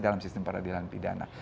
dalam sistem peradilan pidana